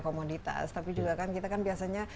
komoditas tapi juga kan kita kan biasanya